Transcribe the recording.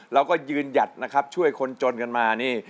เราก็ยืนหยัดนะครับช่วยคนจนกันมานี่